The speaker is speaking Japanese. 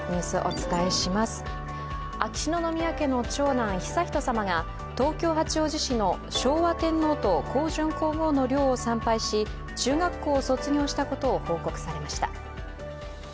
秋篠宮家の長男・悠仁さまが昭和天皇と香淳皇后の陵を参拝し、中学校を卒業したことを報告されました。